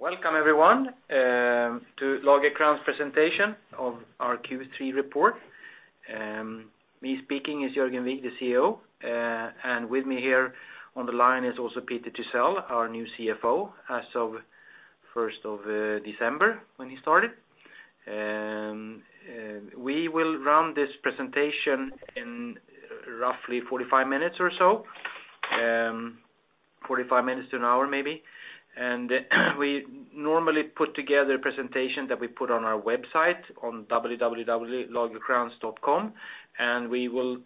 Welcome everyone to Lagercrantz presentation of our Q3 report. Me speaking is Jörgen Wigh, the CEO. With me here on the line is also Peter Thysell, our new CFO, as of the first of December, when he started. We will run this presentation in roughly 45 minutes or so, 45 minutes to an hour maybe. We normally put together a presentation that we put on our website on www.lagercrantz.com, and we will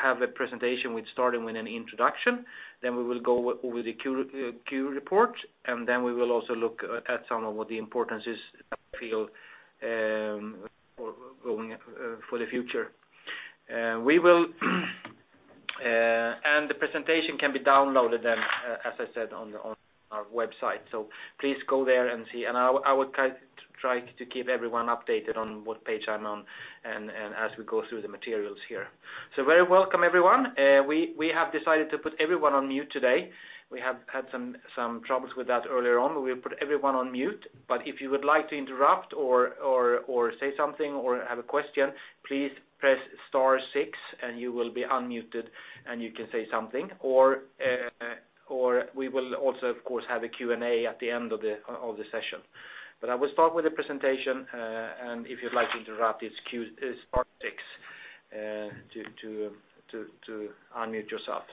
have a presentation starting with an introduction, then we will go over the Q3 report, and then we will also look at some of what the importance is that we feel for going for the future. The presentation can be downloaded then, as I said, on our website. Please go there and see. I would try to keep everyone updated on what page I'm on as we go through the materials here. Very welcome, everyone. We have decided to put everyone on mute today. We have had some troubles with that earlier on, but we put everyone on mute. If you would like to interrupt or say something, or have a question, please press star six, and you will be unmuted, and you can say something. We will also, of course, have a Q&A at the end of the session. I will start with the presentation, and if you'd like to interrupt, it's star six to unmute yourself.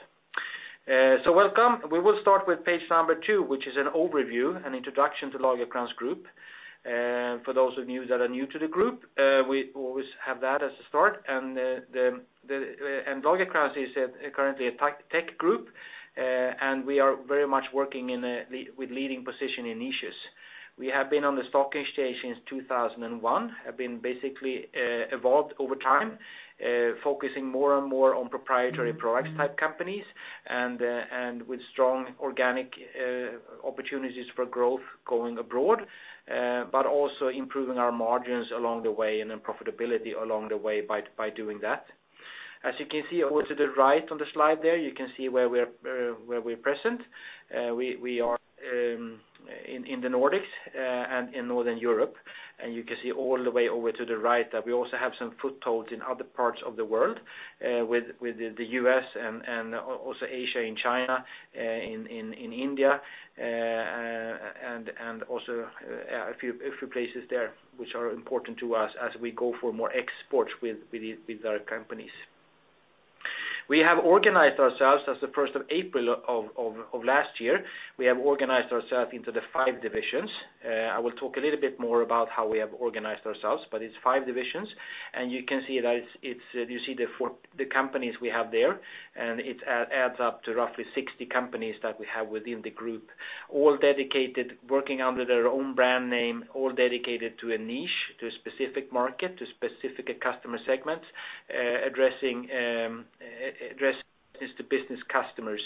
Welcome. We will start with page number two, which is an overview, an introduction to Lagercrantz Group. For those of you that are new to the group, we always have that as a start. Lagercrantz is currently a tech group, and we are very much working in a leading position in niches. We have been on the stock exchange since 2001, have been basically evolved over time, focusing more and more on proprietary products type companies, and with strong organic opportunities for growth going abroad, but also improving our margins along the way and then profitability along the way by doing that. As you can see over to the right on the slide there, you can see where we are, where we're present. We are in the Nordics and in Northern Europe. You can see all the way over to the right that we also have some footholds in other parts of the world, with the U.S. and also Asia and China, in India, and also a few places there which are important to us as we go for more export with our companies. We have organized ourselves as of first of April of last year. We have organized ourselves into the five divisions. I will talk a little bit more about how we have organized ourselves, but it's five divisions. You can see the companies we have there, and it adds up to roughly 60 companies that we have within the group, all dedicated, working under their own brand name, all dedicated to a niche, to a specific market, to specific customer segments, addressing business to business customers,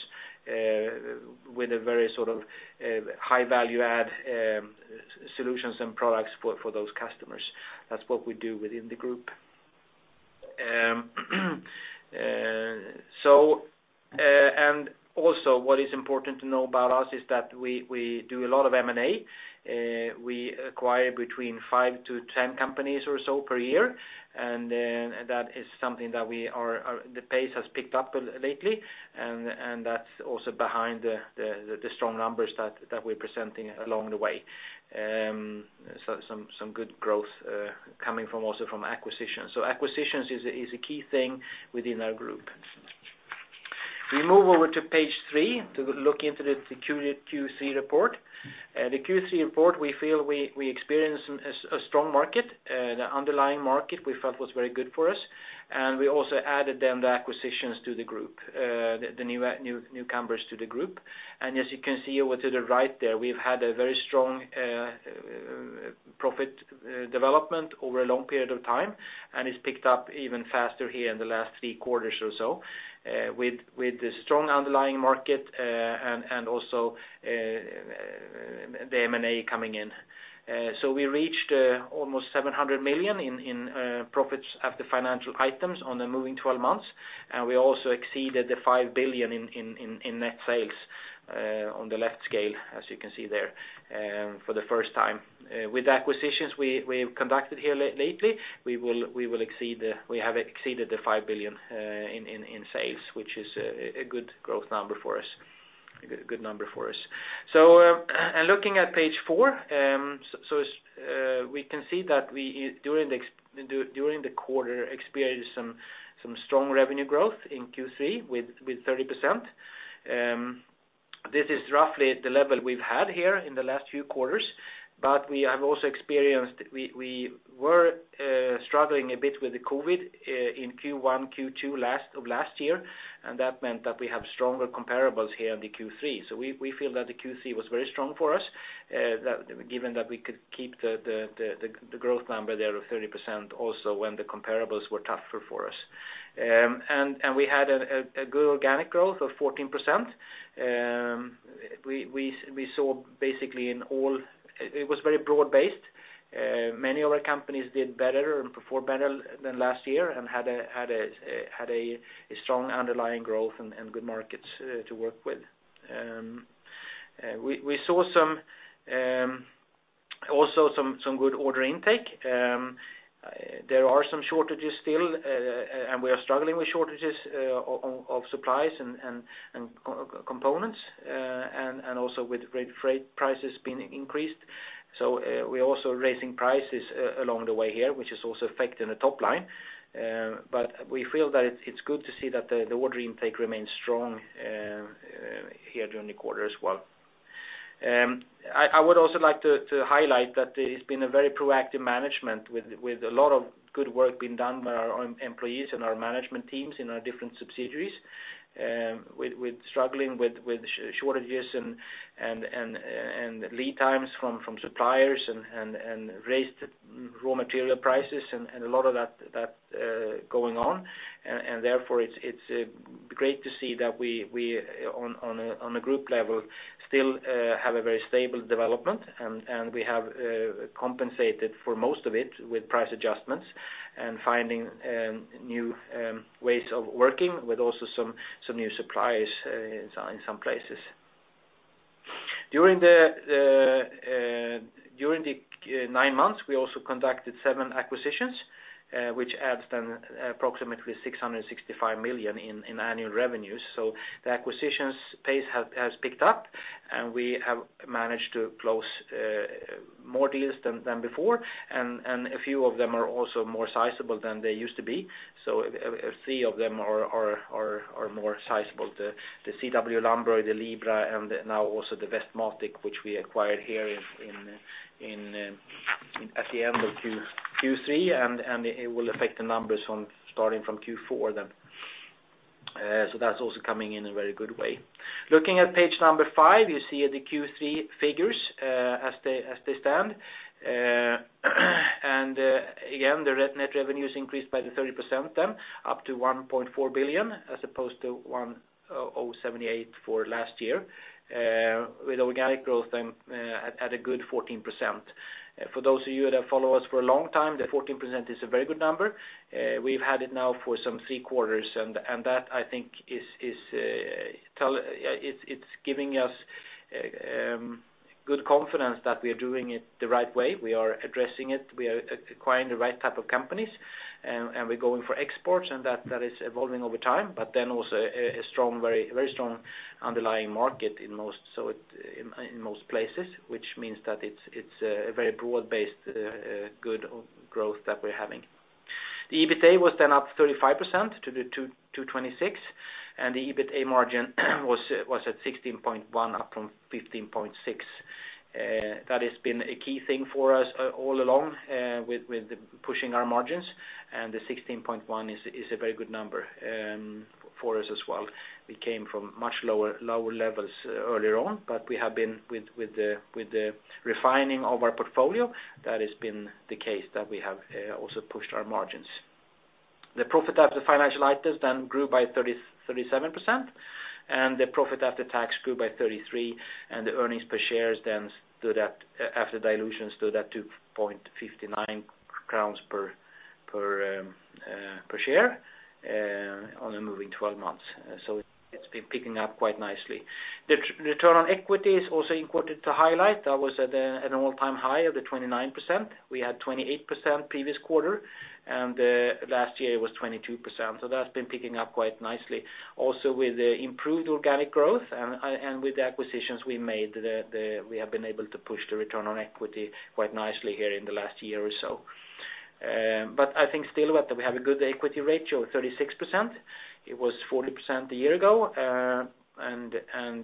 with a very sort of high value add solutions and products for those customers. That's what we do within the group. Also what is important to know about us is that we do a lot of M&A. We acquire between five to 10 companies or so per year, and that is something that the pace has picked up lately, and that's also behind the strong numbers that we're presenting along the way. Some good growth coming also from acquisitions. Acquisitions is a key thing within our group. We move over to page three to look into the Q3 report. The Q3 report, we feel we experienced a strong market, the underlying market we felt was very good for us. We also added then the acquisitions to the group, the new newcomers to the group. As you can see over to the right there, we've had a very strong profit development over a long period of time, and it's picked up even faster here in the last three quarters or so, with the strong underlying market, and also the M&A coming in. We reached almost 700 million in profits after financial items on the moving twelve months. We also exceeded the 5 billion in net sales on the left scale, as you can see there, for the first time. With acquisitions we've conducted here lately, we have exceeded the 5 billion in sales, which is a good growth number for us, a good number for us. Looking at page four, we can see that we, during the quarter, experienced some strong revenue growth in Q3 with 30%. This is roughly the level we've had here in the last few quarters, but we were struggling a bit with the COVID in Q1, Q2 last of last year, and that meant that we have stronger comparables here in the Q3. We feel that the Q3 was very strong for us, given that we could keep the growth number there of 30% also when the comparables were tougher for us. We had a good organic growth of 14%. We saw basically in all. It was very broad-based. Many other companies did better and performed better than last year and had a strong underlying growth and good markets to work with. We saw some, also some good order intake. There are some shortages still, and we are struggling with shortages of supplies and components, and also with freight prices being increased. We're also raising prices along the way here, which is also affecting the top line. We feel that it's good to see that the order intake remains strong here during the quarter as well. I would also like to highlight that it's been a very proactive management with a lot of good work being done by our employees and our management teams in our different subsidiaries, struggling with shortages and lead times from suppliers and raised raw material prices, and a lot of that going on. Therefore it's great to see that we on a group level still have a very stable development, and we have compensated for most of it with price adjustments and finding new ways of working with also some new suppliers in some places. During the nine months, we also conducted seven acquisitions, which adds then approximately 665 million in annual revenues. The acquisitions pace has picked up, and we have managed to close more deals than before. A few of them are also more sizable than they used to be. Three of them are more sizable. The CW Lundberg, the Libra, and now also the Westmatic, which we acquired here at the end of Q3, and it will affect the numbers from starting from Q4 then. That's also coming in a very good way. Looking at page five, you see the Q3 figures as they stand. Again, the net revenues increased by 30% then, up to 1.4 billion, as opposed to 1.078 billion for last year, with organic growth then at a good 14%. For those of you that follow us for a long time, the 14% is a very good number. We've had it now for some three quarters, and that I think is giving us good confidence that we are doing it the right way. We are addressing it, we are acquiring the right type of companies, and we're going for exports, and that is evolving over time. Also, a strong, very, very strong underlying market in most places, which means that it's a very broad-based good growth that we're having. The EBITA was then up 35% to 222.6, and the EBITA margin was at 16.1%, up from 15.6%. That has been a key thing for us all along with pushing our margins. The 16.1% is a very good number for us as well. We came from much lower levels earlier on, but we have been with the refining of our portfolio, that has been the case that we have also pushed our margins. The profit after financial items then grew by 37%, and the profit after tax grew by 33%, and the earnings per share then stood at, after dilution, 2.59 SEK per share on a moving 12 months. It's been picking up quite nicely. The return on equity is also important to highlight. That was at an all-time high of the 29%. We had 28% previous quarter, and last year it was 22%. That's been picking up quite nicely. Also with the improved organic growth and with the acquisitions we made, we have been able to push the return on equity quite nicely here in the last year or so. I think still that we have a good equity ratio of 36%. It was 40% a year ago, and 34%,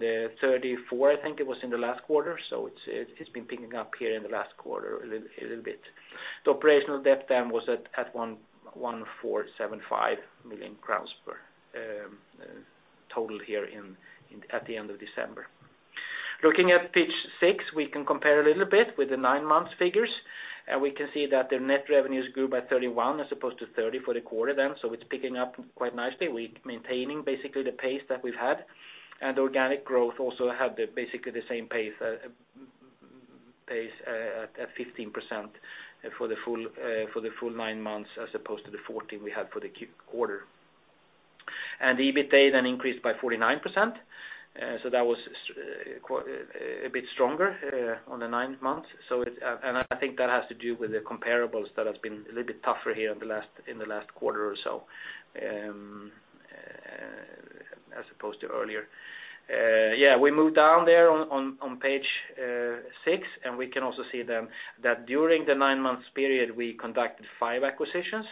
I think it was in the last quarter. It's been picking up here in the last quarter a little bit. The operational debt then was at 114.75 million crowns net total here at the end of December. Looking at page 6, we can compare a little bit with the nine-month figures, and we can see that the net revenues grew by 31% as opposed to 30% for the quarter then. It's picking up quite nicely. We're maintaining basically the pace that we've had. Organic growth also had basically the same pace at 15% for the full nine months, as opposed to the 14% we had for the quarter. The EBITA then increased by 49%. That was quite a bit stronger on the nine months. I think that has to do with the comparables that has been a little bit tougher here in the last quarter or so, as opposed to earlier. We moved down there on page six, and we can also see then that during the 9-month period, we conducted five acquisitions.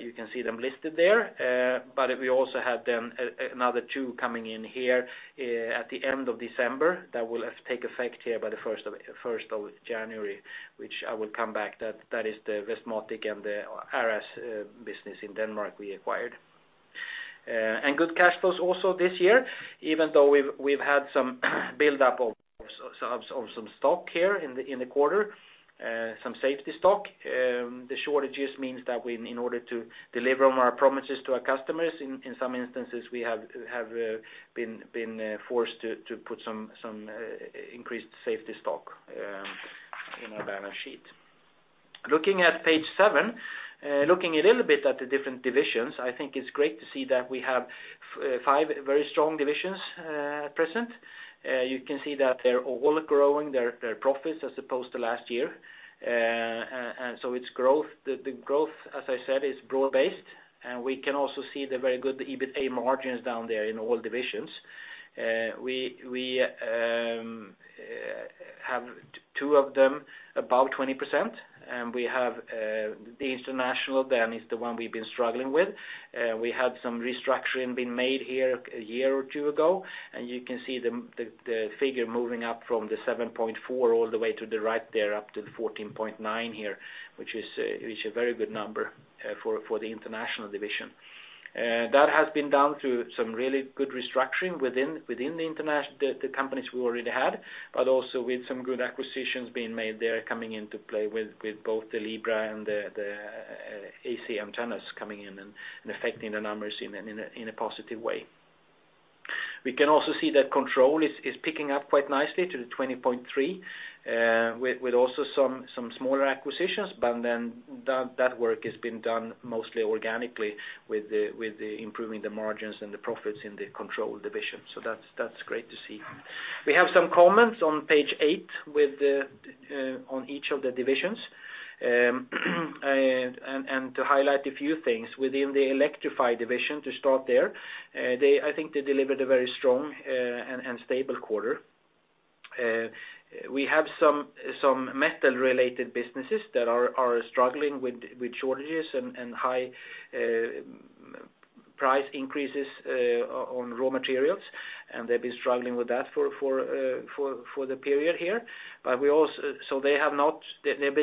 You can see them listed there. But we also had another two coming in here at the end of December. That will take effect here by the first of January, which I will come back. That is the Westmatic and the ARAS business in Denmark we acquired. Good cash flows also this year, even though we've had some buildup of some stock here in the quarter, some safety stock. The shortages means that we, in order to deliver on our promises to our customers, in some instances, we have been forced to put some increased safety stock in our balance sheet. Looking at page 7, looking a little bit at the different divisions, I think it's great to see that we have five very strong divisions at present. You can see that they're all growing their profits as opposed to last year. So the growth, as I said, is broad-based. We can also see the very good EBITDA margins down there in all divisions. We have two of them above 20%, and we have the International, then, is the one we've been struggling with. We have had some restructuring has been made here a year or two ago, and you can see the figure moving up from the 7.4 all the way to the right there, up to the 14.9 here, which is a very good number for the International division. That has been done through some really good restructuring within the companies we already had, but also with some good acquisitions being made there coming into play with both the Libra and the AC Antennas coming in and affecting the numbers in a positive way. We can also see that Control is picking up quite nicely to the 20.3%, with also some smaller acquisitions. That work has been done mostly organically with the improving the margins and the profits in the Control division. That's great to see. We have some comments on page eight on each of the divisions. To highlight a few things within the Electrify division to start there, I think they delivered a very strong and stable quarter. We have some metal-related businesses that are struggling with shortages and high price increases on raw materials, and they've been struggling with that for the period here. They've been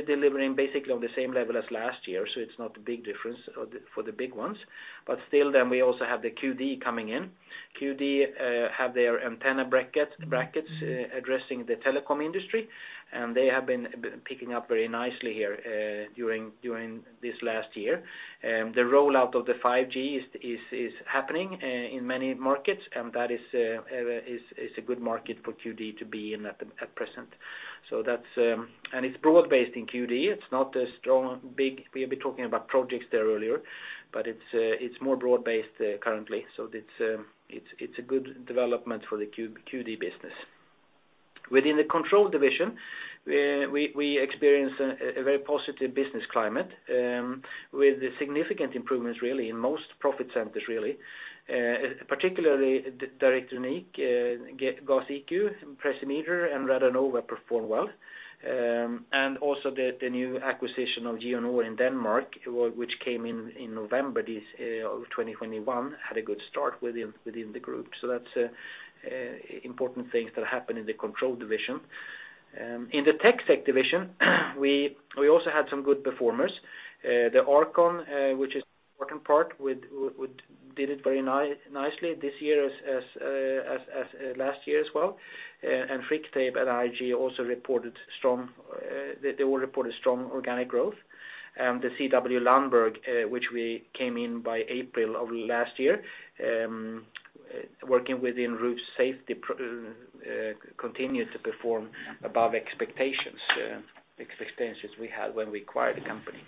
delivering basically on the same level as last year, so it's not a big difference for the big ones. We also have the QD coming in. QD have their antenna brackets addressing the telecom industry, and they have been picking up very nicely here during this last year. The rollout of the 5G is happening in many markets, and that is a good market for QD to be in at present. It's broad-based in QD. We've been talking about projects there earlier, but it's more broad-based currently. It's a good development for the QD business. Within the Control division, we experience a very positive business climate with significant improvements really in most profit centers really. Particularly, Direktronik, GasIQ, Precimeter, and Radonova perform well. Also, the new acquisition of Geonor in Denmark, which came in November of 2021, had a good start within the group. That's important things that happen in the Control division. In the TecSec division, we also had some good performers. ARCON, which is important part, which did it very nicely this year as last year as well. Frictape and ISG also reported strong organic growth. They all reported strong organic growth. The CW Lundberg, which we came in by April of last year, working within roof safety, continued to perform above expectations we had when we acquired the company.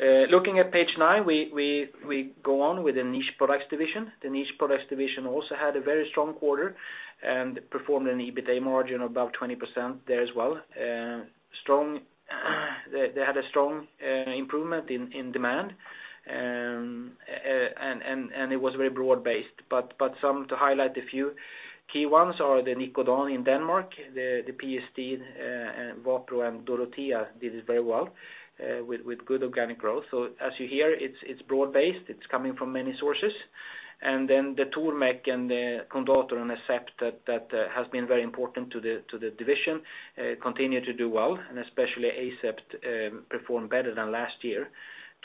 Looking at page nine, we go on with the Niche Products division. The Niche Products division also had a very strong quarter and performed an EBITA margin of about 20% there as well. Strong. They had a strong improvement in demand. And it was very broad-based. But some to highlight the few key ones are the Nikodan in Denmark, the PST, Wapro, and Dorotea did it very well, with good organic growth. As you hear, it's broad-based, it's coming from many sources. The Turmek and the Kondator and Asept that has been very important to the division continue to do well, and especially Asept performed better than last year.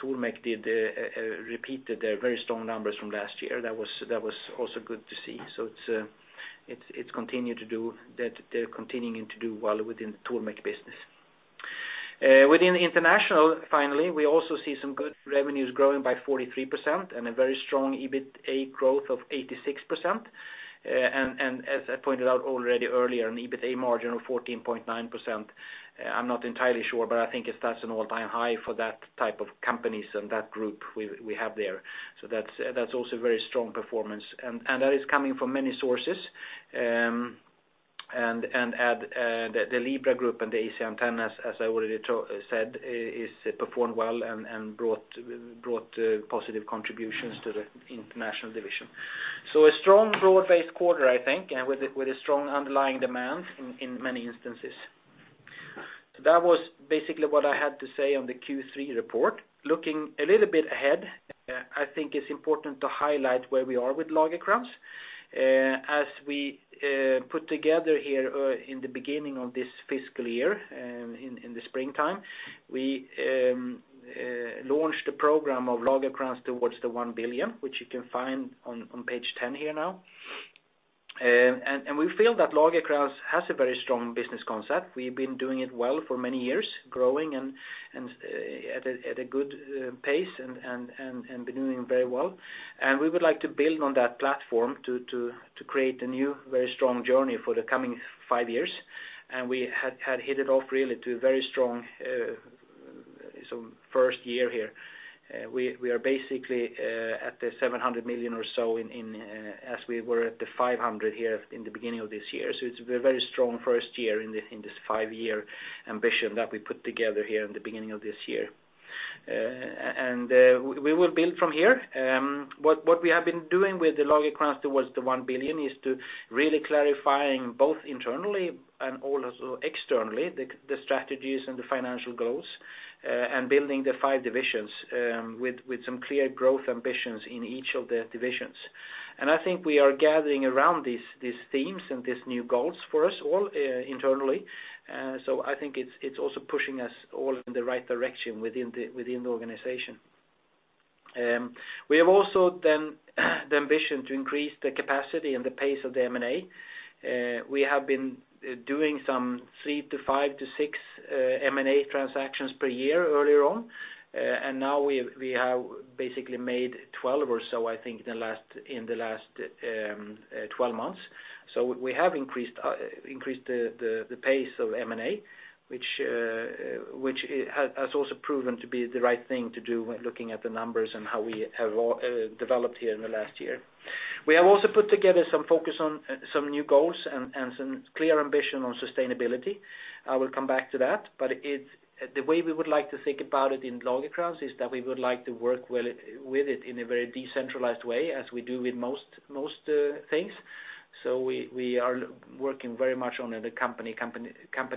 Turmek did repeat their very strong numbers from last year. That was also good to see. It's continued to do that. They're continuing to do well within the Turmek business. Within the International, finally, we also see some good revenues growing by 43% and a very strong EBITA growth of 86%. As I pointed out already earlier, an EBITA margin of 14.9%. I'm not entirely sure, but I think it sets an all-time high for that type of companies and that group we have there. That's also very strong performance. That is coming from many sources. At the Libra Group and the AC Antennas, as I already said, has performed well and brought positive contributions to the International division. A strong broad-based quarter, I think, with a strong underlying demand in many instances. That was basically what I had to say on the Q3 report. Looking a little bit ahead, I think it's important to highlight where we are with Lagercrantz. As we put together here in the beginning of this fiscal year, in the springtime, we launched the program of Lagercrantz towards the one billion, which you can find on page 10 here now. We feel that Lagercrantz has a very strong business concept. We've been doing it well for many years, growing at a good pace and been doing very well. We would like to build on that platform to create a new, very strong journey for the coming five years. We had hit it off really to a very strong sort of first year here. We are basically at 700 million or so as we were at 500 here in the beginning of this year. It's a very strong first year in this five-year ambition that we put together here in the beginning of this year. We will build from here. What we have been doing with the Lagercrantz Towards One Billion is really clarifying both internally and externally the strategies and the financial goals, and building the five divisions with some clear growth ambitions in each of the divisions. I think we are gathering around these themes and these new goals for us all internally. I think it's also pushing us all in the right direction within the organization. We have also then the ambition to increase the capacity and the pace of the M&A. We have been doing some three-six M&A transactions per year earlier on. Now we have basically made 12 or so, I think, in the last 12 months. We have increased the pace of M&A, which has also proven to be the right thing to do when looking at the numbers and how we have developed here in the last year. We have also put together some focus on some new goals and some clear ambition on sustainability. I will come back to that, but it's the way we would like to think about it in Lagercrantz is that we would like to work well with it in a very decentralized way, as we do with most things. We are working very much on the company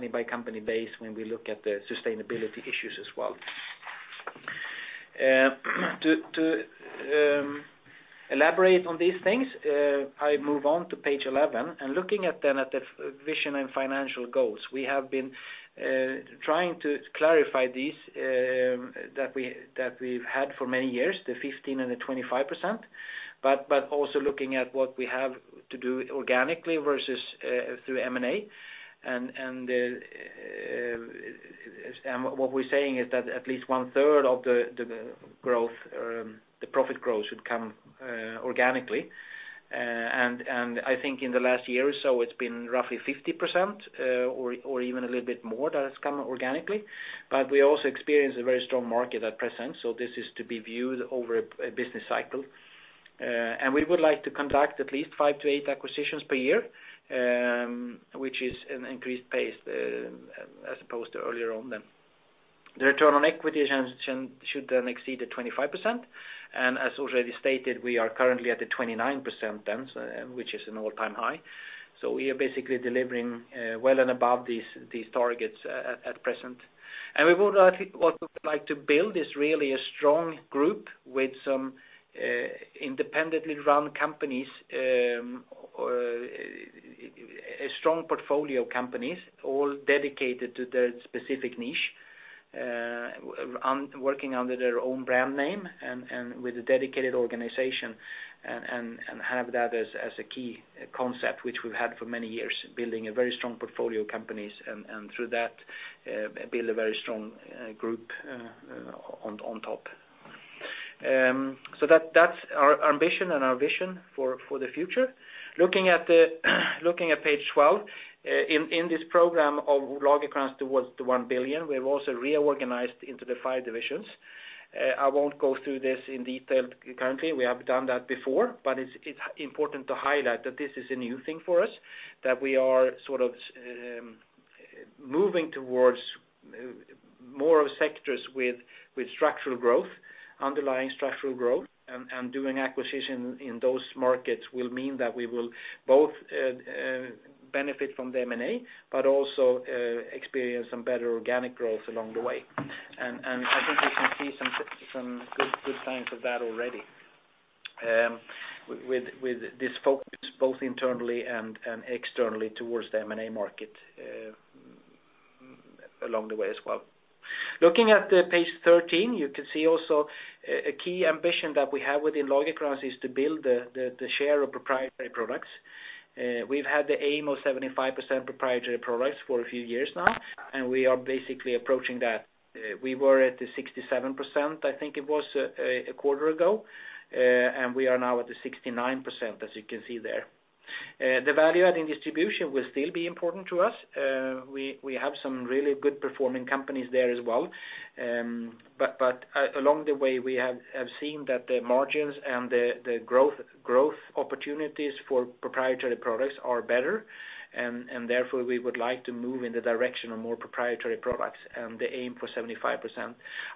by company basis when we look at the sustainability issues as well. To elaborate on these things, I move on to page eleven. Looking at the vision and financial goals, we have been trying to clarify these that we've had for many years, the 15% and the 25%, but also looking at what we have to do organically versus through M&A. What we're saying is that at least one third of the growth, the profit growth should come organically. I think in the last year or so, it's been roughly 50%, or even a little bit more that has come organically. We also experience a very strong market at present, so this is to be viewed over a business cycle. We would like to conduct at least 5-8 acquisitions per year, which is an increased pace as opposed to earlier on then. The return on equity should then exceed the 25%. As already stated, we are currently at the 29% then, which is an all-time high. We are basically delivering well and above these targets at present. We would like to build a strong group with independently run companies or a strong portfolio of companies all dedicated to their specific niche, working under their own brand name and with a dedicated organization and have that as a key concept which we've had for many years, building a very strong portfolio of companies and through that build a very strong group on top. That’s our ambition and our vision for the future. Looking at page 12 in this program of Lagercrantz towards one billion, we've also reorganized into the five divisions. I won't go through this in detail currently. We have done that before, but it's important to highlight that this is a new thing for us, that we are sort of moving towards more sectors with structural growth, underlying structural growth. Doing acquisition in those markets will mean that we will both benefit from the M&A, but also experience some better organic growth along the way. I think we can see some good signs of that already, with this focus both internally and externally towards the M&A market, along the way as well. Looking at page 13, you can see also a key ambition that we have within Lagercrantz is to build the share of proprietary products. We've had the aim of 75% proprietary products for a few years now, and we are basically approaching that. We were at the 67%, I think it was, a quarter ago, and we are now at the 69%, as you can see there. The value add in distribution will still be important to us. We have some really good performing companies there as well. Along the way, we have seen that the margins and the growth opportunities for proprietary products are better. Therefore, we would like to move in the direction of more proprietary products and the aim for 75%.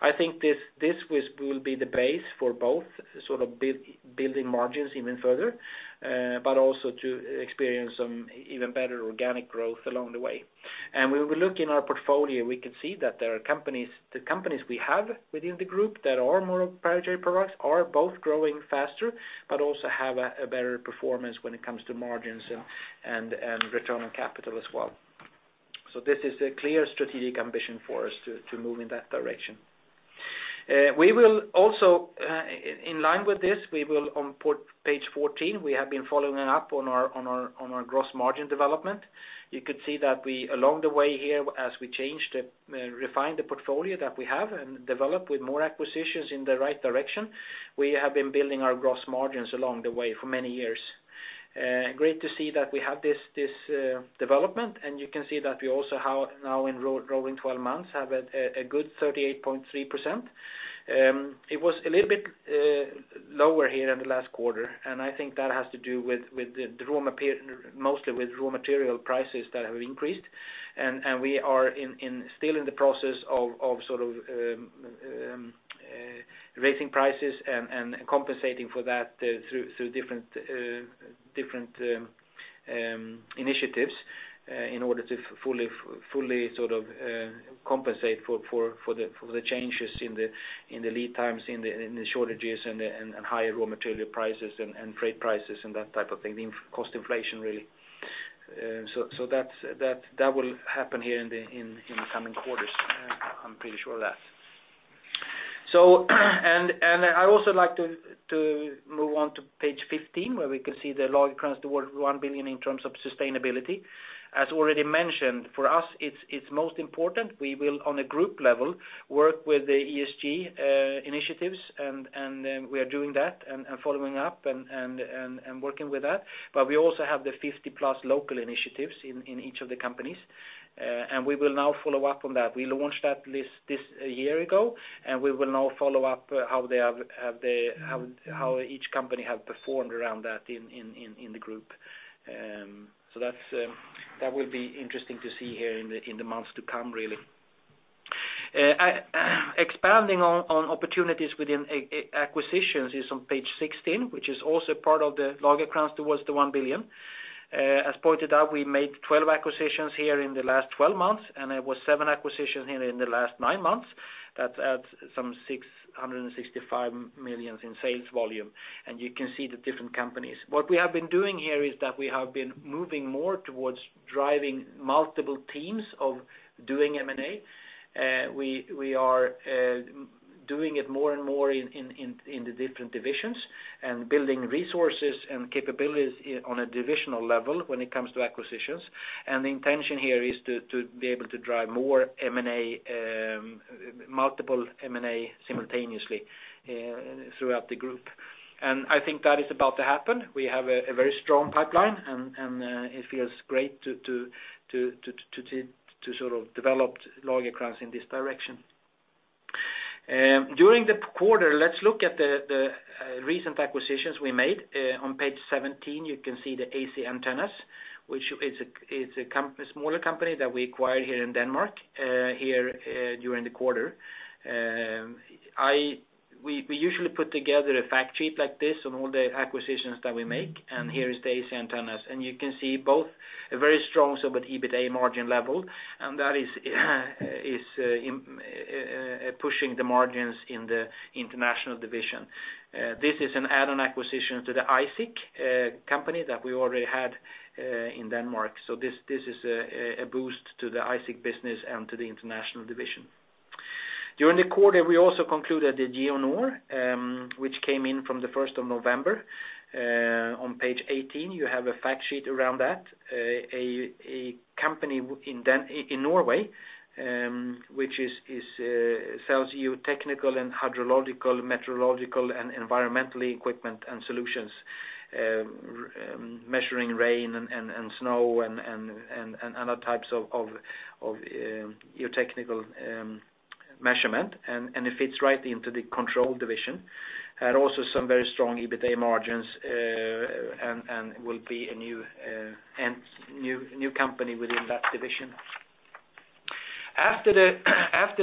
I think this will be the base for both sort of building margins even further, but also to experience some even better organic growth along the way. When we look in our portfolio, we can see that there are companies, the companies we have within the group that are more proprietary products are both growing faster, but also have a better performance when it comes to margins and return on capital as well. This is a clear strategic ambition for us to move in that direction. We will also, in line with this, we will on page fourteen, we have been following up on our gross margin development. You could see that we along the way here, as we refine the portfolio that we have and develop with more acquisitions in the right direction, we have been building our gross margins along the way for many years. Great to see that we have this development, and you can see that we also have now in rolling twelve months a good 38.3%. It was a little bit lower here in the last quarter, and I think that has to do with the raw material, mostly with raw material prices that have increased. We are still in the process of sort of raising prices and compensating for that through different initiatives in order to fully sort of compensate for the changes in the lead times, in the shortages and higher raw material prices and freight prices and that type of thing, the cost inflation, really. That will happen here in the coming quarters. I'm pretty sure of that. I also like to move on to page 15, where we can see the Lagercrantz towards one billion in terms of sustainability. As already mentioned, for us, it's most important. We will, on a group level, work with the ESG initiatives, and we are doing that and following up and working with that. We also have the 50-plus local initiatives in each of the companies, and we will now follow up on that. We launched that list a year ago, and we will now follow up how each company has performed around that in the group. That will be interesting to see here in the months to come, really. Expanding on opportunities within acquisitions is on page 16, which is also part of the Lagercrantz towards one billion. As pointed out, we made 12 acquisitions here in the last 12 months, and there was seven acquisitions here in the last 9 months. That adds some 665 million in sales volume, and you can see the different companies. What we have been doing here is that we have been moving more towards driving multiple teams of doing M&A. We are doing it more and more in the different divisions and building resources and capabilities on a divisional level when it comes to acquisitions. The intention here is to be able to drive more M&A, multiple M&A simultaneously, throughout the group. I think that is about to happen. We have a very strong pipeline and it feels great to sort of develop Lagercrantz in this direction. During the quarter, let's look at the recent acquisitions we made. On page 17, you can see the AC Antennas, which is a smaller company that we acquired here in Denmark, here, during the quarter. We usually put together a fact sheet like this on all the acquisitions that we make, and here is the AC Antennas. You can see both a very strong sort of EBITDA margin level, and that is pushing the margins in the International division. This is an add-on acquisition to the ICEIC company that we already had in Denmark. This is a boost to the ICEIC business and to the International division. During the quarter, we also concluded the Geonor, which came in from the first of November. On page 18, you have a fact sheet around that. A company in Norway, which is, sells geotechnical and hydrological, meteorological, and environmental equipment and solutions, measuring rain and snow and other types of geotechnical measurement. It fits right into the Control division. had also some very strong EBITDA margins and will be a new company within that division. After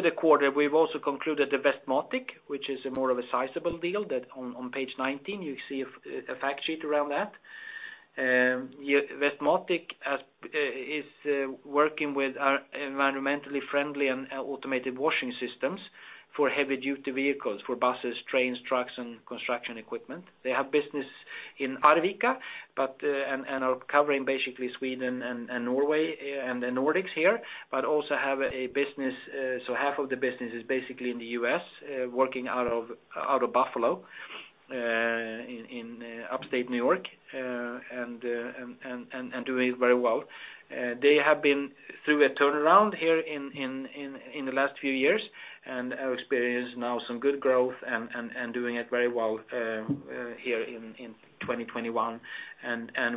the quarter, we've also concluded the Westmatic, which is more of a sizable deal that on page 19 you see a fact sheet around that. Westmatic is working with our environmentally friendly and automated washing systems for heavy-duty vehicles, for buses, trains, trucks, and construction equipment. They have business in Arvika, but are covering basically Sweden and Norway and the Nordics here, but also have a business, so half of the business is basically in the U.S., working out of Buffalo, in Upstate New York, and doing very well. They have been through a turnaround here in the last few years and are experiencing some good growth and doing it very well here in 2021.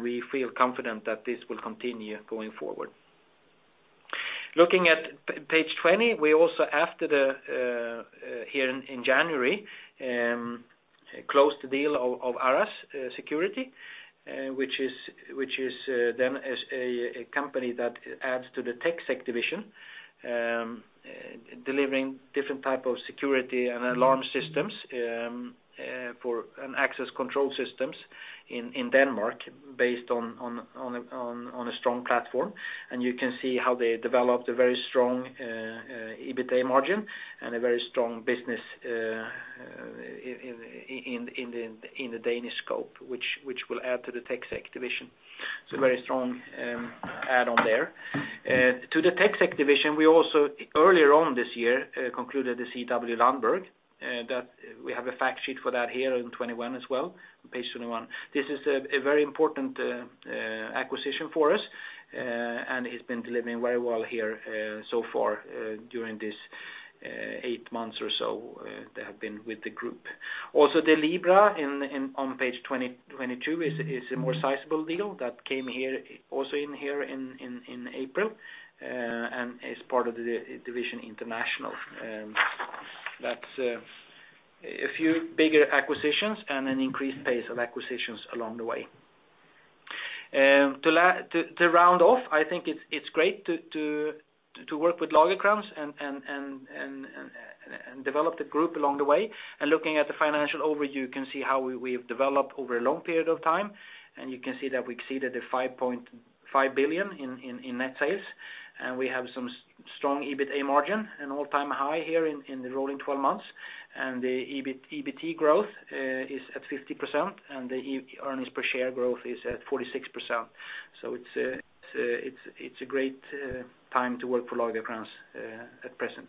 We feel confident that this will continue going forward. Looking at page 20, we also here in January closed the deal of ARAS Security, which is then a company that adds to the TecSec division, delivering different type of security and alarm systems for access control systems in Denmark based on a strong platform. You can see how they developed a very strong EBITDA margin and a very strong business in the Danish scope, which will add to the TecSec division. It's a very strong add on there. To the TecSec division, we also earlier this year concluded the CW Lundberg that we have a fact sheet for that here on page 21 as well. This is a very important acquisition for us, and it's been delivering very well here so far during this eight months or so they have been with the group. The Libra on page 22 is a more sizable deal that came here also in April and is part of the International division. That's a few bigger acquisitions and an increased pace of acquisitions along the way. To round off, I think it's great to work with Lagercrantz and develop the group along the way. Looking at the financial overview, you can see how we've developed over a long period of time. You can see that we exceeded 5.5 billion in net sales. We have some strong EBITA margin, an all-time high here in the rolling twelve months. The EBIT-EBT growth is at 50%, and the earnings per share growth is at 46%. It's a great time to work for Lagercrantz at present.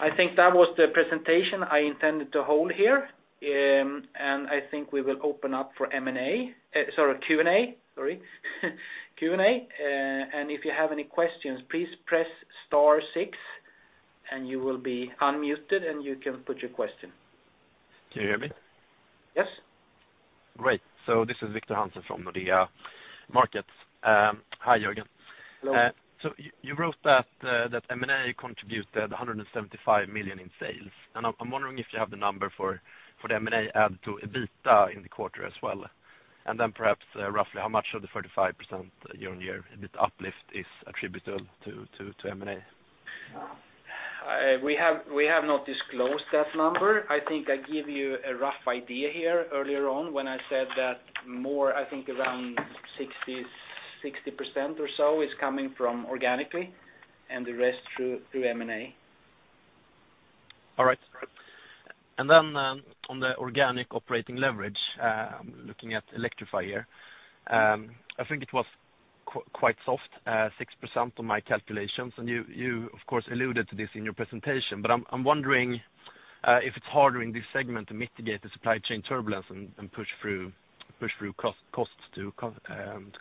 I think that was the presentation I intended to hold here. I think we will open up for Q&A. If you have any questions, please press star six, and you will be unmuted, and you can put your question. Can you hear me? Yes. Great. This is Gustav Berneblad from Nordea Markets. Hi, Jörgen. Hello. You wrote that M&A contributed 175 million in sales. I'm wondering if you have the number for the M&A added to EBITDA in the quarter as well. Then perhaps roughly how much of the 35% year-on-year EBIT uplift is attributable to M&A? We have not disclosed that number. I think I gave you a rough idea here earlier on when I said that more, I think around 60% or so is coming from organically and the rest through M&A. All right. Then, on the organic operating leverage, I'm looking at Electrify here. I think it was quite soft, 6% on my calculations. You, of course, alluded to this in your presentation. But I'm wondering, if it's harder in this segment to mitigate the supply chain turbulence and push through costs to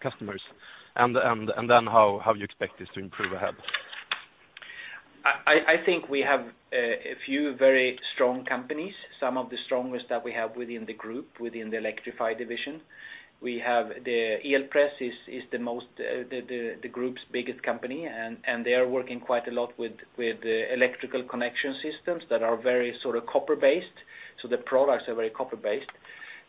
customers? And then how you expect this to improve ahead? I think we have a few very strong companies, some of the strongest that we have within the group, within the Electrify division. We have EL Press, the group's biggest company, and they are working quite a lot with electrical connection systems that are very sort of copper-based, so the products are very copper-based.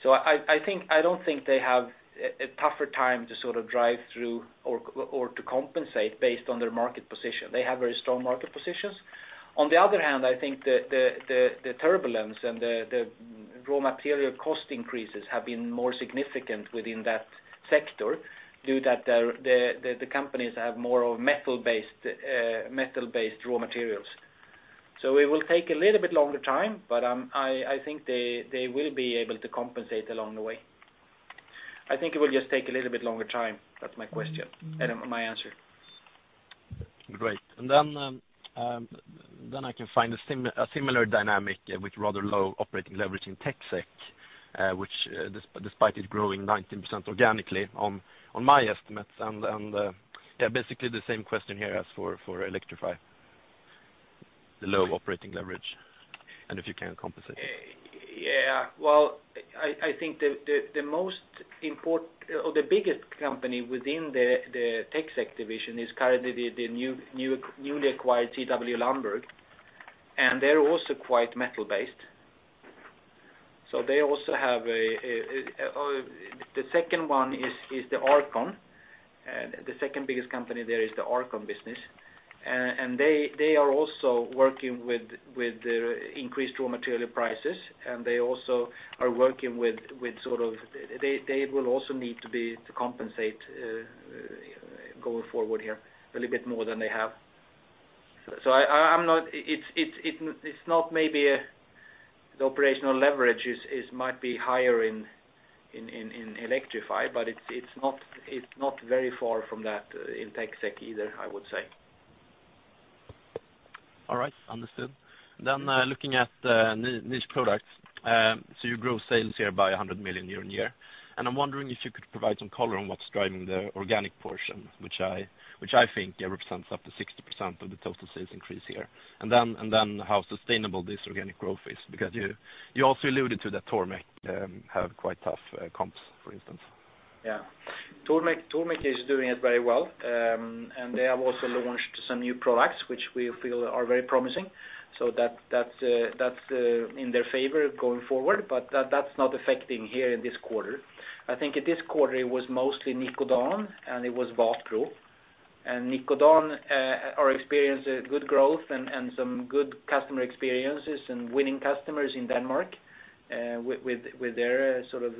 I don't think they have a tougher time to sort of drive through or to compensate based on their market position. They have very strong market positions. On the other hand, I think the turbulence and the raw material cost increases have been more significant within that sector due to the companies have more of metal-based raw materials. It will take a little bit longer time, but, I think they will be able to compensate along the way. I think it will just take a little bit longer time. That's my question, and my answer. Great. I can find a similar dynamic with rather low operating leverage in TecSec, which despite it growing 19% organically on my estimates. Basically the same question here as for Electrify, the low operating leverage, and if you can compensate. Yeah. Well, I think the biggest company within the TecSec division is currently the newly acquired CW Lundberg, and they're also quite metal-based. So they also have. The second one is the ARCON. The second biggest company there is the ARCON business. And they are also working with their increased raw material prices, and they also are working with. They will also need to compensate going forward here a little bit more than they have. So I'm not. It's not maybe the operational leverage might be higher in Electrify, but it's not very far from that in TecSec either, I would say. All right. Understood. Looking at Niche Products, you grew sales here by 100 million year-on-year. I'm wondering if you could provide some color on what's driving the organic portion, which I think represents up to 60% of the total sales increase here. How sustainable this organic growth is, because you also alluded to that Tormek have quite tough comps, for instance. Yeah. Tormek is doing it very well. They have also launched some new products which we feel are very promising. That's in their favor going forward, but that's not affecting here in this quarter. I think in this quarter, it was mostly Nikodan, and it was Wapro. Nikodan are experiencing good growth and some good customer experiences and winning customers in Denmark. With their sort of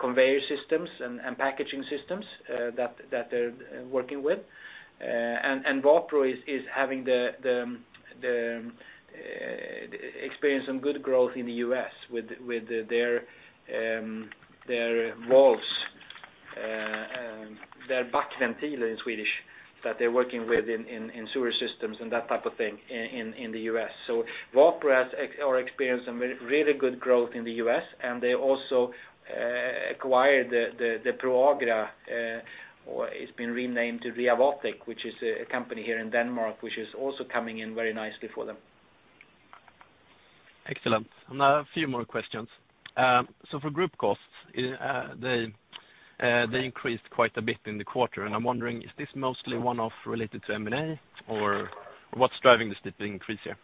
conveyor systems and packaging systems that they're working with. Wapro is experiencing some good growth in the U.S. with their valves, their backventiler in Swedish that they're working with in sewer systems and that type of thing in the U.S. Wapro has experienced some really good growth in the U.S., and they also acquired the Proagra, or it's been renamed to Reavotic, which is a company here in Denmark, which is also coming in very nicely for them. Excellent. A few more questions. For group costs, they increased quite a bit in the quarter, and I'm wondering, is this mostly one-off related to M&A or what's driving the steep increase here?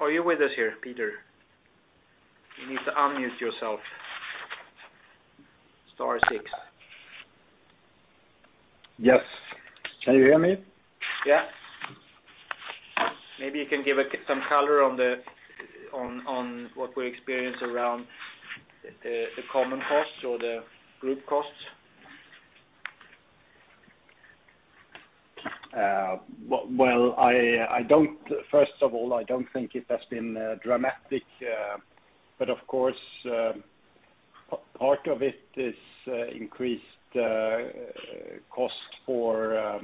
Are you with us here, Peter? You need to unmute yourself. Star six. Yes. Can you hear me? Yeah. Maybe you can give some color on what we experience around the common costs or the group costs. First of all, I don't think it has been dramatic, but of course, part of it is increased costs for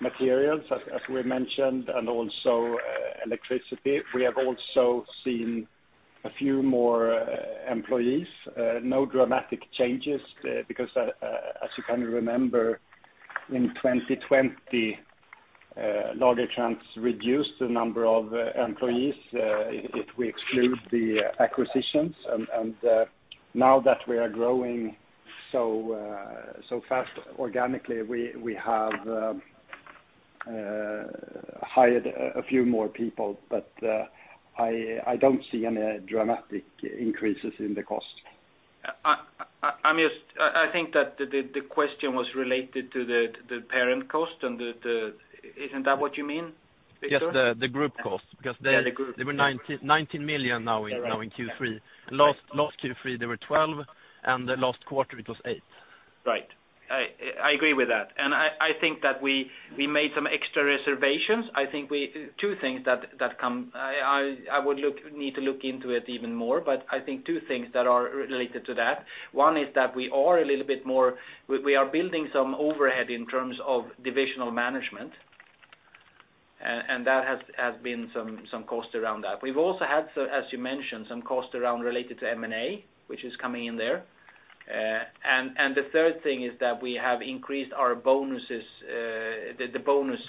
materials, as we mentioned, and also electricity. We have also seen a few more employees, no dramatic changes, because as you kind of remember, in 2020, Lagercrantz reduced the number of employees, if we exclude the acquisitions. Now that we are growing so fast organically, we have hired a few more people. I don't see any dramatic increases in the cost. I missed. I think that the question was related to the parent cost and the. Isn't that what you mean, Gustav Berneblad? Just the group cost because they Yeah, the Group. They were 19 million now in- You're right. Now in Q3. Last Q3, they were 12, and the last quarter it was eight. Right. I agree with that. I think that we made some extra reservations. I think two things that come. I need to look into it even more, but I think two things that are related to that. One is that we are building some overhead in terms of divisional management, and that has been some costs around that. We have also had, as you mentioned, some costs related to M&A, which is coming in there. The third thing is that we have increased our bonuses, the bonus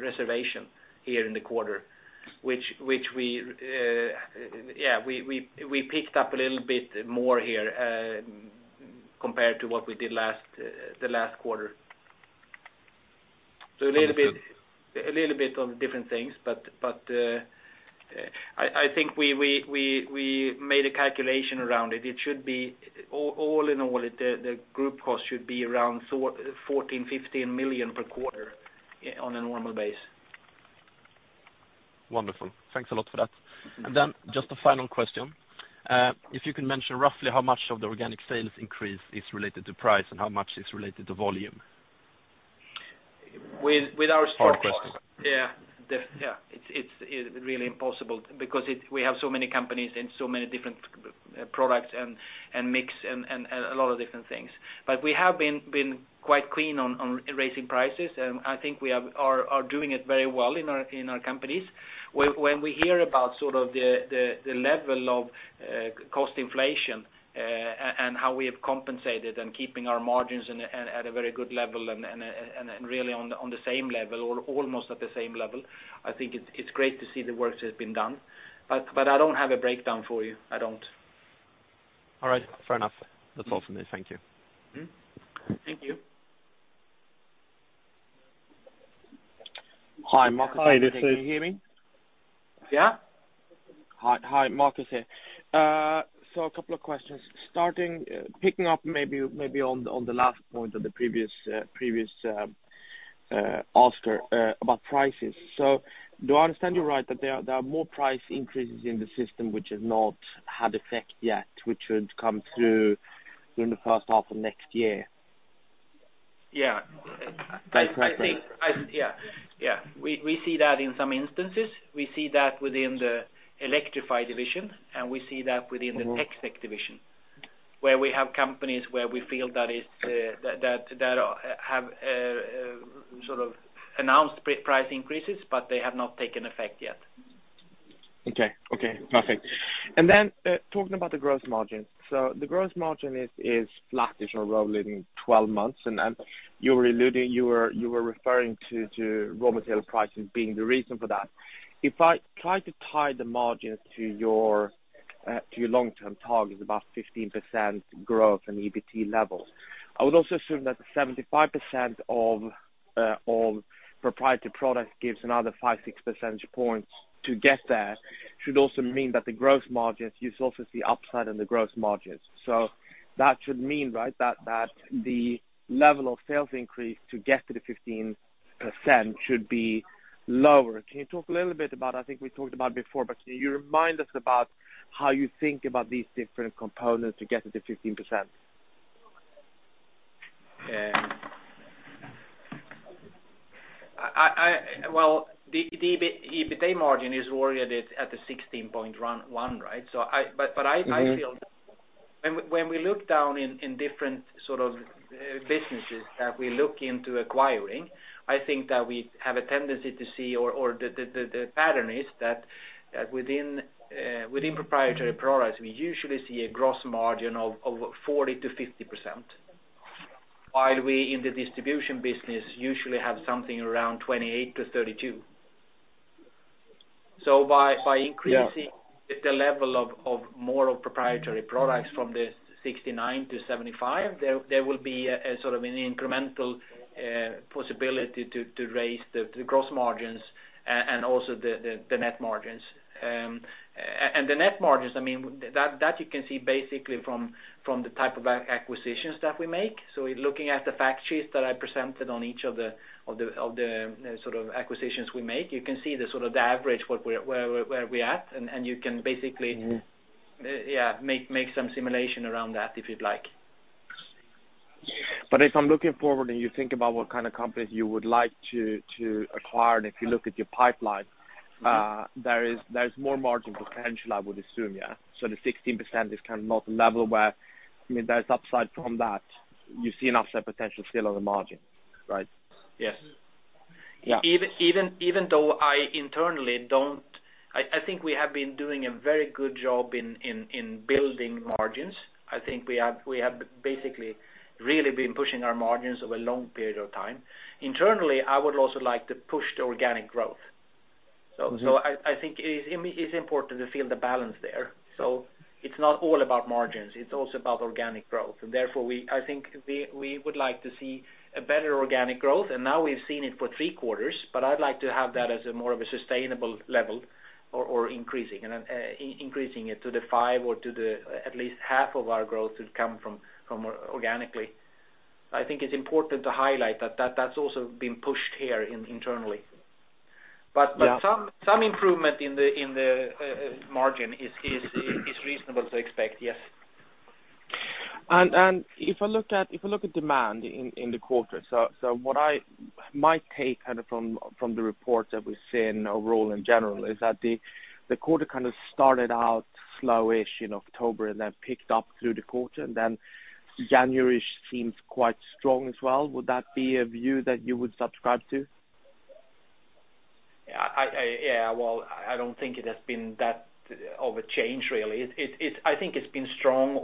reservation here in the quarter, which we yeah we picked up a little bit more here compared to what we did last quarter. A little bit Okay. A little bit of different things. I think we made a calculation around it. It should be all in all, the group cost should be around 14 million-15 million per quarter on a normal basis. Wonderful. Thanks a lot for that. Just a final question. If you can mention roughly how much of the organic sales increase is related to price and how much is related to volume? With our structure. Hard question. Yeah. It's really impossible because we have so many companies and so many different products and a lot of different things. We have been quite clean on raising prices. I think we are doing it very well in our companies. When we hear about sort of the level of cost inflation and how we have compensated and keeping our margins at a very good level and really on the same level or almost at the same level, I think it's great to see the work that's been done. I don't have a breakdown for you. I don't. All right. Fair enough. That's all from me. Thank you. Mm-hmm. Thank you. Hi, Marcus. Hi, this is- Can you hear me? Yeah. Hi. Hi. Marcus here. A couple of questions. Picking up maybe on the last point of the previous Oscar about prices. Do I understand you right that there are more price increases in the system which has not had effect yet, which would come through during the first half of next year? Yeah. That's right. I think. Yeah. We see that in some instances. We see that within the Electrify division, and we see that within- Mm-hmm. The TecSec division, where we have companies where we feel that is, that have sort of announced price increases, but they have not taken effect yet. Talking about the gross margin. The gross margin is flat-ish on a rolling 12-month basis. You were alluding, you were referring to raw material prices being the reason for that. If I try to tie the margin to your long-term target of 15% growth and EBT levels, I would also assume that 75% of proprietary product gives another 5-6 percentage points to get there, which should also mean that you should see upside on the gross margins. That should mean that the level of sales increase to get to the 15% should be lower. Can you talk a little bit about. I think we talked about before, but can you remind us about how you think about these different components to get to the 15%? Well, the EBITA margin is oriented at 16.1%, right? I Mm-hmm Feel when we look down in different sort of businesses that we look into acquiring, I think that we have a tendency to see or the pattern is that within proprietary products, we usually see a gross margin of over 40%-50%, while we in the distribution business usually have something around 28%-32%. By increasing- Yeah The level of more proprietary products from 69% to 75%, there will be a sort of an incremental possibility to raise the gross margins and also the net margins. The net margins, I mean, that you can see basically from the type of acquisitions that we make. In looking at the fact sheets that I presented on each of the sort of acquisitions we make, you can see the sort of average where we're at, and you can basically Mm-hmm Yeah, make some simulation around that if you'd like. If I'm looking forward and you think about what kind of companies you would like to acquire, and if you look at your pipeline. Mm-hmm There's more margin potential, I would assume, yeah. The 16% is kind of not the level where, I mean, there's upside from that. You see an upside potential still on the margin, right? Yes. Yeah. Even though I internally don't, I think we have been doing a very good job in building margins. I think we have basically really been pushing our margins over a long period of time. Internally, I would also like to push the organic growth. Mm-hmm. I think it's important to feel the balance there. It's not all about margins, it's also about organic growth. Therefore, we would like to see a better organic growth, and now we've seen it for three quarters. I'd like to have that as a more of a sustainable level or increasing and increasing it to 5% or to at least half of our growth would come from organically. I think it's important to highlight that that's also been pushed here internally. Yeah. Some improvement in the margin is reasonable to expect. Yes. If I look at demand in the quarter, my take kind of from the report that we've seen overall in general is that the quarter kind of started out slowish in October and then picked up through the quarter, and then January seems quite strong as well. Would that be a view that you would subscribe to? Yeah. Well, I don't think it has been that big of a change really. I think it's been strong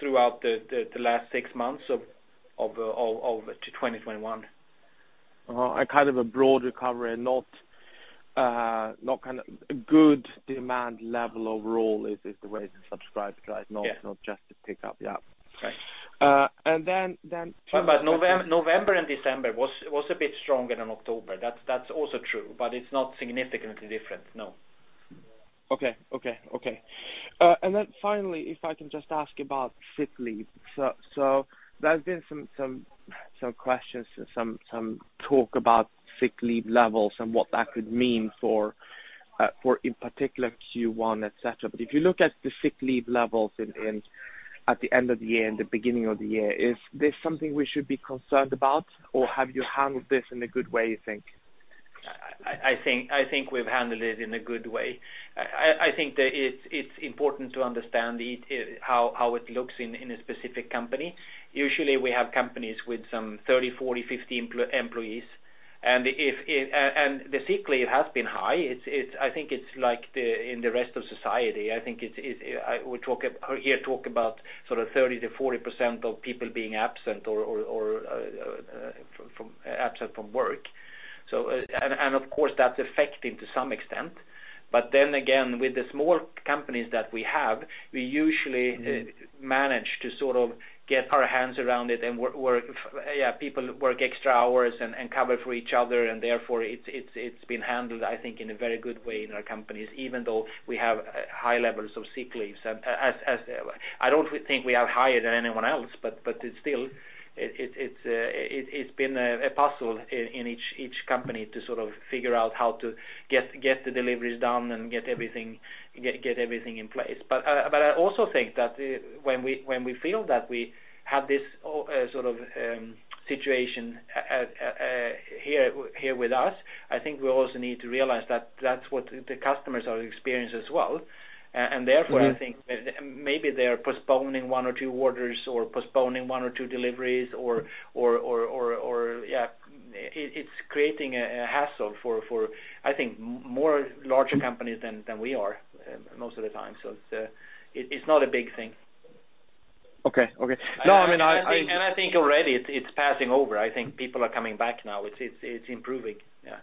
throughout the last six months of 2021. A kind of a broad recovery and not kind of good demand level overall is the way to describe, right? Yeah. Not just a pickup. Yeah. Okay. November and December was a bit stronger than October. That's also true, but it's not significantly different, no. Finally, if I can just ask about sick leave. There's been some questions, some talk about sick leave levels and what that could mean for in particular Q1, et cetera. If you look at the sick leave levels at the end of the year and the beginning of the year, is this something we should be concerned about, or have you handled this in a good way, you think? I think we've handled it in a good way. I think that it's important to understand how it looks in a specific company. Usually, we have companies with some 30, 40, 50 employees, and the sick leave has been high. I think it's like in the rest of society. I think it's, we talk here about sort of 30%-40% of people being absent or absent from work. Of course, that's affecting to some extent. Then again, with the small companies that we have, we usually- Mm-hmm manage to sort of get our hands around it and work yeah, people work extra hours and cover for each other, and therefore it's been handled, I think, in a very good way in our companies, even though we have high levels of sick leaves. I don't think we are higher than anyone else, but it's still, it's been a puzzle in each company to sort of figure out how to get the deliveries done and get everything in place. I also think that when we feel that we have this sort of situation here with us, I think we also need to realize that that's what the customers are experiencing as well. Mm-hmm. Therefore, I think maybe they are postponing one or two orders or postponing one or two deliveries. It's creating a hassle for, I think, more larger companies than we are most of the time. It's not a big thing. Okay. No, I mean, I think already it's passing over. I think people are coming back now. It's improving. Yeah.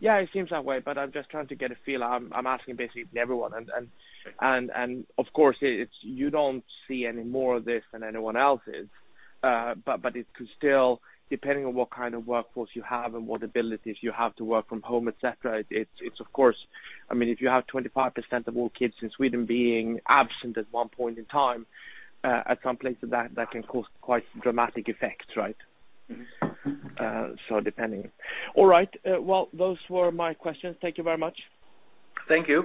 Yeah, it seems that way, but I'm just trying to get a feel. I'm asking basically everyone and, of course, you don't see any more of this than anyone else is. But it could still, depending on what kind of workforce you have and what abilities you have to work from home, et cetera, it's, of course, I mean, if you have 25% of all kids in Sweden being absent at one point in time, at some places that can cause quite dramatic effects, right? Mm-hmm. Depending. All right. Well, those were my questions. Thank you very much. Thank you.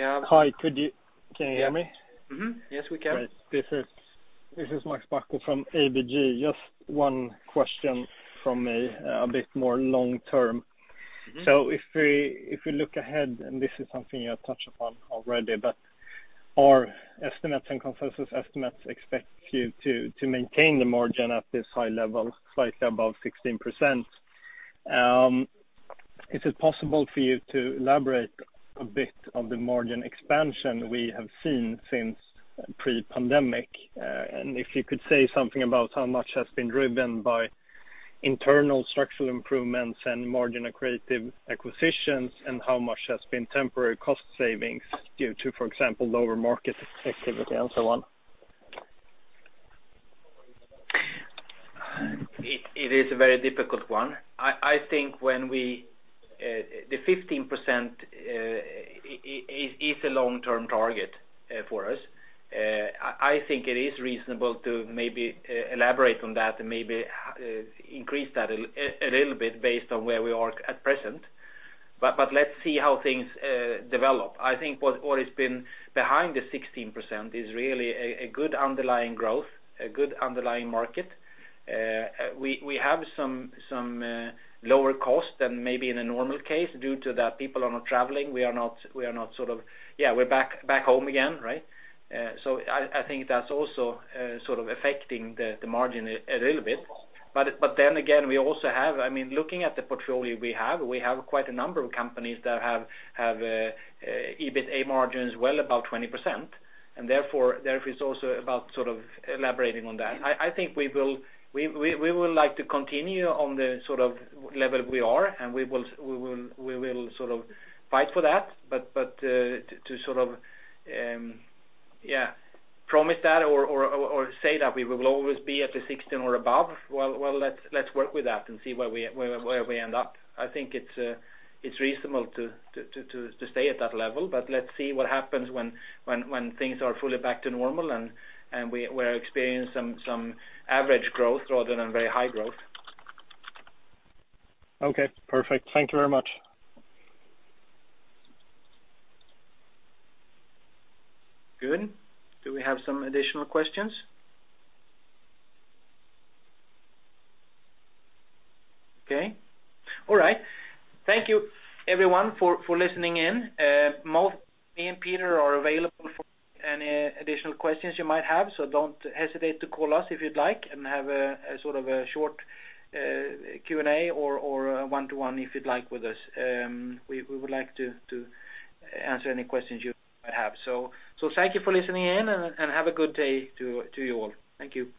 Hi. Can you hear me? Yes, we can. Great. This is Max Bacco from ABG. Just one question from me, a bit more long-term. Mm-hmm. If we look ahead, and this is something you have touched upon already, but our estimates and consensus estimates expect you to maintain the margin at this high level, slightly above 16%. Is it possible for you to elaborate a bit on the margin expansion we have seen since pre-pandemic? If you could say something about how much has been driven by internal structural improvements and margin accretive acquisitions, and how much has been temporary cost savings due to, for example, lower market activity and so on. It is a very difficult one. I think the 15% is a long-term target for us. I think it is reasonable to maybe elaborate on that and maybe increase that a little bit based on where we are at present. Let's see how things develop. I think what has been behind the 16% is really a good underlying growth, a good underlying market. We have some lower cost than maybe in a normal case due to the people are not traveling. We are not sort of. Yeah, we're back home again, right? I think that's also sort of affecting the margin a little bit. Then again, we also have I mean, looking at the portfolio we have, we have quite a number of companies that have EBITDA margins well above 20%, and therefore there is also about sort of elaborating on that. I think we would like to continue on the sort of level we are, and we will fight for that. To promise that or say that we will always be at the 16% or above, well, let's work with that and see where we end up. I think it's reasonable to stay at that level, let's see what happens when things are fully back to normal, and we're experiencing some average growth rather than very high growth. Okay, perfect. Thank you very much. Good. Do we have some additional questions? Okay. All right. Thank you everyone for listening in. Both me and Peter are available for any additional questions you might have, so don't hesitate to call us if you'd like, and have a sort of a short Q&A or a one-to-one if you'd like with us. We would like to answer any questions you might have. Thank you for listening in and have a good day to you all. Thank you.